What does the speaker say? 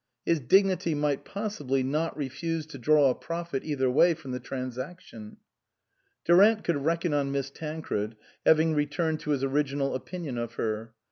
His dignity might possibly not refuse to draw a profit either way from the transaction. Durant could reckon on Miss Tancred, having returned to his original opinion of her.